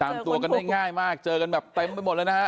ตามตัวกันได้ง่ายมากเจอกันแบบเต็มไปหมดเลยนะฮะ